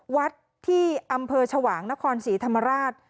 วัดที่อำเภอชวางนครศรีธรรมราช